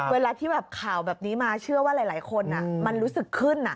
เวลาที่แบบข่าวแบบนี้มาเชื่อว่าหลายคนมันรู้สึกขึ้น